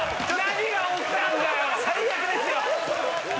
最悪ですよ。